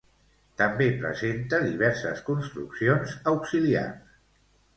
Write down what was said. També presenta diverses construccions auxiliars.